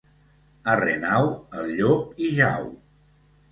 A Renau, el llop hi jau.